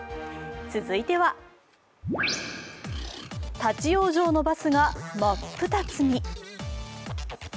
続いては、立往生のバスが真っ二つに。